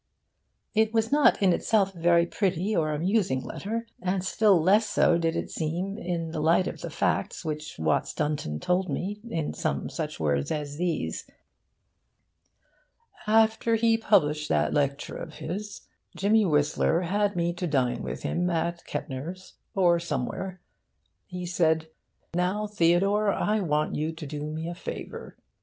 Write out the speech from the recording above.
It was not in itself a very pretty or amusing letter; and still less so did it seem in the light of the facts which Watts Dunton told me in some such words as these: After he'd published that lecture of his, Jimmy Whistler had me to dine with him at Kettner's or somewhere. He said "Now, Theodore, I want you to do me a favour."